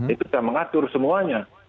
itu sudah mengatur semuanya